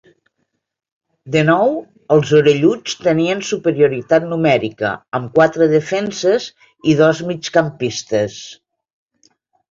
De nou els orelluts tenien superioritat numèrica, amb quatre defenses i dos migcampistes.